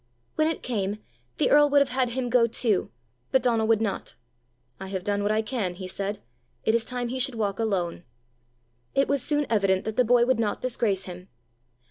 When it came, the earl would have had him go too, but Donal would not. "I have done what I can," he said. "It is time he should walk alone." It was soon evident that the boy would not disgrace him.